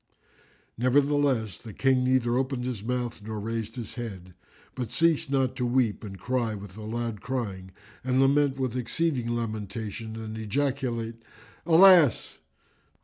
Nevertheless, the King neither opened his mouth nor raised his head, but ceased not to weep and cry with a loud crying and lament with exceeding lamentation and ejaculate, "Alas!"